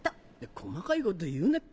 細かいこと言うなって。